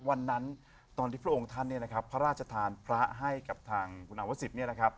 วันนั้นตอนที่พระองค์ท่านพระราชธานพระให้กับทางคุณอาวสิทธิ์